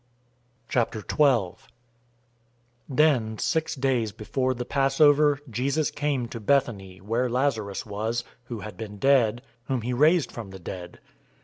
012:001 Then six days before the Passover, Jesus came to Bethany, where Lazarus was, who had been dead, whom he raised from the dead.